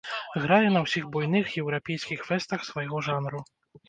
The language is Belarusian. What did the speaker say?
Грае на ўсіх буйных еўрапейскіх фэстах свайго жанру!